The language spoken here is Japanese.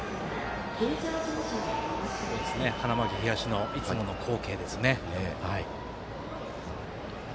花巻東のいつもの光景ですね。